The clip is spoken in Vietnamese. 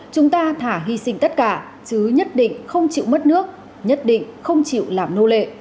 chúng ta thả hy sinh tất cả chứ nhất định không chịu mất nước nhất định không chịu làm nô lệ